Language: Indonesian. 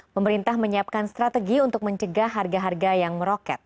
pemerintah menyiapkan strategi untuk mencegah harga harga yang meroket